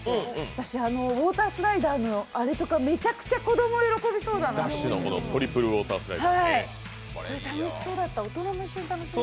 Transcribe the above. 私、ウォータースライダーのあれとかめちゃくちゃ子供喜びそうだなって。